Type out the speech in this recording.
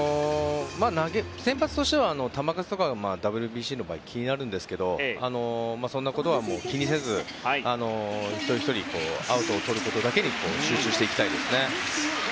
先発としては球数がＷＢＣは気になるんですがそんなことは気にせず一人ひとりアウトをとることだけ集中していきたいですね。